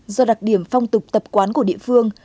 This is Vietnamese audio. do đặc điểm phong tục tập quán của địa phương